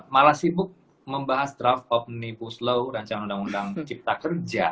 malah sibuk membahas draft omnibus law rancangan undang undang cipta kerja